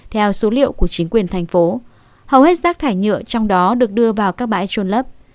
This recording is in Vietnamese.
theo số liệu của chính quyền thành phố hầu hết rác thải nhựa trong đó được đưa vào các bãi trôn lấp